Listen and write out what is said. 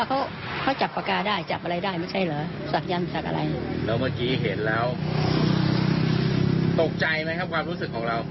ตกใจไหมครับความรู้สึกของเรา